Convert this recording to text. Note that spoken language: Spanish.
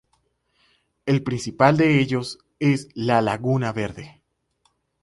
El principal de ellos es la Laguna Verde.